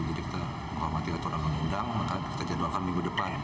jadi kita informatif atau menundang maka kita jadwalkan minggu depan